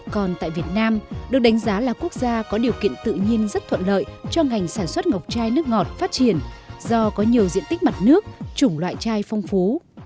còn tại việt nam được đánh giá là quốc gia có điều kiện tự nhiên rất thuận lợi cho ngành sản xuất ngọc chai nước ngọt phát triển do có nhiều diện tích mặt nước chủng loại chai phong phú